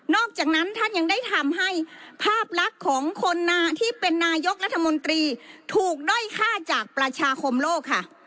อกจากนั้นท่านยังได้ทำให้ภาพลักษณ์ของคนที่เป็นนายกรัฐมนตรีถูกด้อยค่าจากประชาคมโลกค่ะ